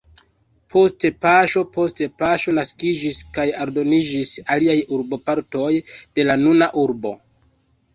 Poste paŝo post paŝo naskiĝis kaj aldoniĝis aliaj urbopartoj de la nuna urbo.